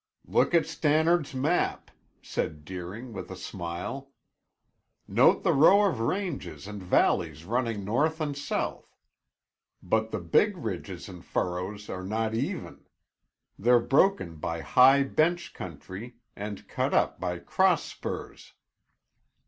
"Look at Stannard's map," said Deering, with a smile. "Note the row of ranges and valleys running north and south. But the big ridges and furrows are not even; they're broken by high bench country and cut up by cross spurs.